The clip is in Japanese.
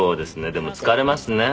でも疲れますね。